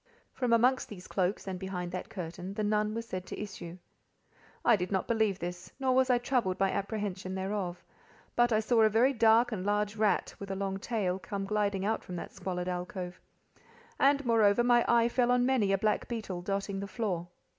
From amongst these cloaks, and behind that curtain, the Nun was said to issue. I did not believe this, nor was I troubled by apprehension thereof; but I saw a very dark and large rat, with a long tail, come gliding out from that squalid alcove; and, moreover, my eye fell on many a black beetle, dotting the floor.